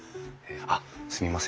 あっすみません